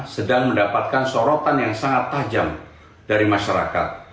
sedang mendapatkan sorotan yang sangat tajam dari masyarakat